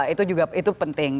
itu juga penting